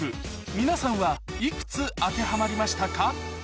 皆さんはいくつ当てはまりましたか？